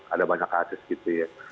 ada banyak kasus gitu ya